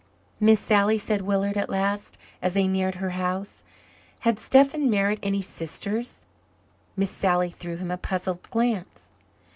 "Miss Sally," said Willard at last, as they neared her house, "had Stephen Merritt any sisters?" Miss Sally threw him a puzzled glance.